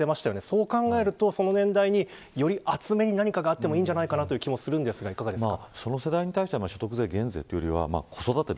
そう考えると、その年代に何かあってもいいんじゃないかという気もしますがいかがですか。